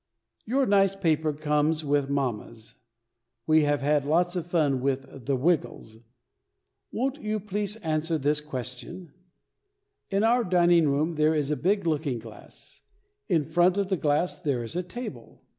Your nice paper comes with mamma's. We have had lots of fun with the "Wiggles." Won't you please answer this question: In our dining room there is a big looking glass. In front of the glass there is a table.